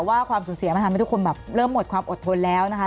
ความสูญเสียมันทำให้ทุกคนแบบเริ่มหมดความอดทนแล้วนะคะ